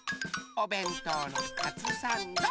おべんとうのカツサンド。